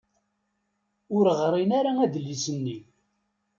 Ur ɣrin ara adlis-nni.